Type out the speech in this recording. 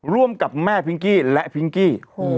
ร่วมกับแม่พิงกี้และพิงกี้